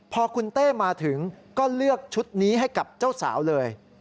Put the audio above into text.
พอคุณเต้มาถึงก็เลือกชุดนี้ให้กับเจ้าสาวเลย